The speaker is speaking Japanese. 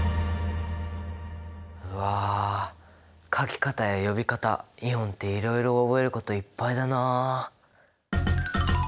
うわ書き方や呼び方イオンっていろいろ覚えることいっぱいだな！